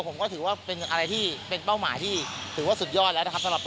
ผมถือว่าการโดรนทัพบุดเดียวเป็นเป้าหมายที่สุดยอดแล้ว